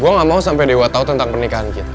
gue gak mau sampe dewa tau tentang pernikahan kita